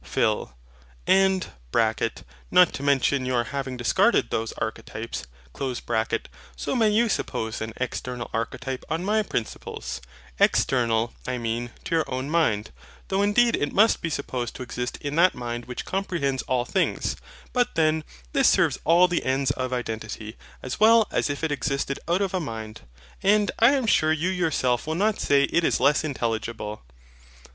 PHIL. And (not to mention your having discarded those archetypes) so may you suppose an external archetype on my principles; EXTERNAL, I MEAN, TO YOUR OWN MIND: though indeed it must be' supposed to exist in that Mind which comprehends all things; but then, this serves all the ends of IDENTITY, as well as if it existed out of a mind. And I am sure you yourself will not say it is less intelligible.